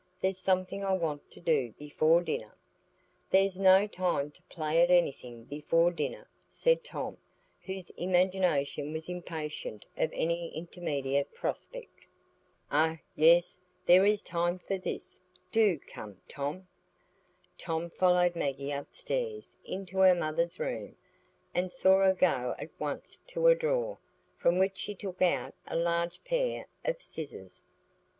"There's something I want to do before dinner." "There's no time to play at anything before dinner," said Tom, whose imagination was impatient of any intermediate prospect. "Oh yes, there is time for this; do come, Tom." Tom followed Maggie upstairs into her mother's room, and saw her go at once to a drawer, from which she took out a large pair of scissors.